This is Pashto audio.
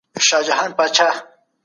تېروتنې تکرار نه کړئ.